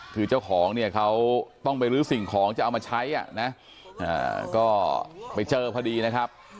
คือเจ้าของเนี่ยเขาต้องไปลื้อสิ่งของจะเอามาใช้อ่ะนะก็ไปเจอพอดีนะครับ